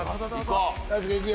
大輔いくよ！